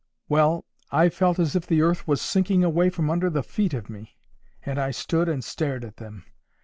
—Well, I felt as if the earth was sinking away from under the feet of me, and I stood and stared at them.